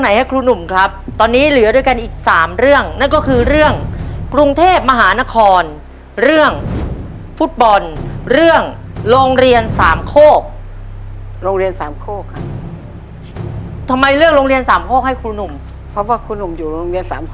นั่นแหละมัดเลยดีมากลูกไปเวลาเดินไปเรื่อยเรื่อยแล้วกัน